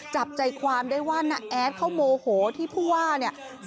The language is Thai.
จับใจความได้ว่าน้าแอดเขาโมโหที่ผู้ว่าเนี่ย